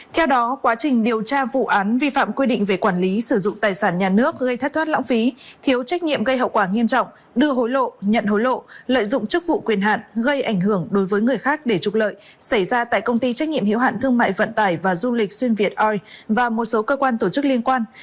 theo đó quá trình điều tra vụ án vi phạm quy định về quản lý sử dụng tài sản nhà nước gây thất thoát lãng phí thiếu trách nhiệm gây hậu quả nghiêm trọng đưa hối lộ nhận hối lộ lợi dụng chức vụ quyền hạn gây ảnh hưởng đối với người khác để trục lợi xảy ra tại công ty trách nhiệm hiếu hạn thương mại vận tải và du lịch xuyên việt oi và một số cơ quan tổ chức liên quan